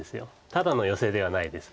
ただのヨセではないです。